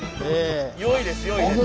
よいですよいです。